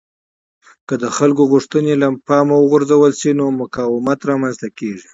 که د خلکو غوښتنې له پامه وغورځول شي نو مقاومت رامنځته کېږي